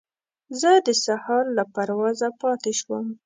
زه د سهار له پروازه پاتې شوم.